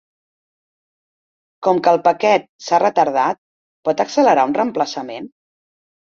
Com que el paquet s'ha retardat, pot accelerar un reemplaçament?